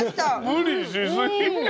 無理しすぎ。